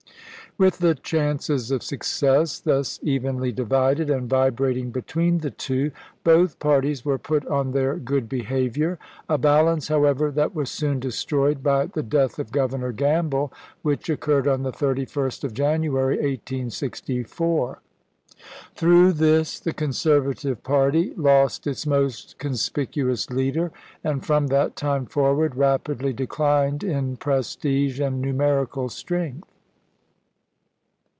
With the chances of success thus evenly divided, and vibrating be tween the two, both parties were put on their good behavior ; a balance, however, that was soon destroyed by the death of Governor Gamble, which occurred on the 31st of January, 1864. Through this the Conservative party lost its most conspicu ous leader, and from that time forward rapidly declined in prestige and numerical strength.